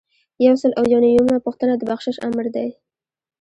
یو سل او یو نوي یمه پوښتنه د بخشش آمر دی.